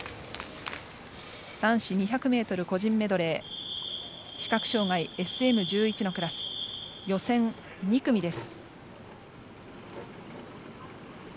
男子２００ｍ個人メドレー視覚障がいＳＭ１１のクラス予選２組です。